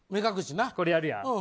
これやるやん。